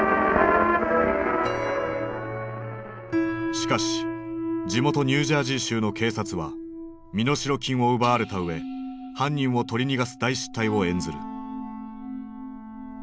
しかし地元ニュージャージー州の警察は身代金を奪われた上犯人を取り逃がす大失態を演ずる。